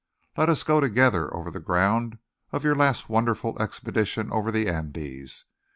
Let us go together over the ground of your last wonderful expedition over the Andes.